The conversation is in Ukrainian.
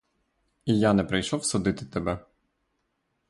І я не прийшов судити тебе.